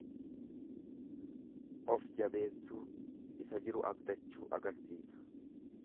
Of jabeessuu, isa jiru abdachuu agarsiisa.